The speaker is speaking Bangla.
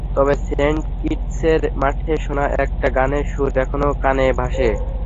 তবে সেন্ট কিটসের মাঠে শোনা একটা গানের সুর এখনো কানে ভাসে।